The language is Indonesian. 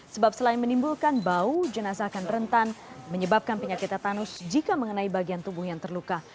sebab selain menimbulkan bau jenazah akan rentan menyebabkan penyakit tetanus jika mengenai bagian tubuh yang terluka